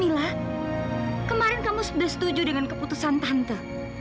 ila kemarin kamu sudah setuju dengan keputusan tante